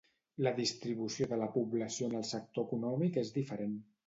La distribució de la població en el sector econòmic és diferent.